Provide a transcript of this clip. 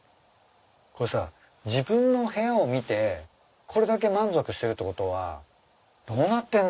これさ自分の部屋を見てこれだけ満足してるってことはどうなってるんだろう？